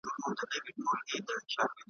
لکه دوې وني چي وباسي ښاخونه `